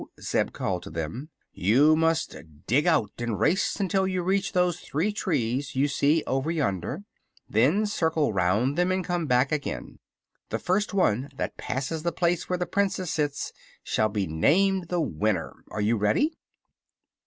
'" Zeb called to them, "you must dig out and race until you reach those three trees you see over yonder. Then circle 'round them and come back again. The first one that passes the place where the Princess sits shall be named the winner. Are you ready?"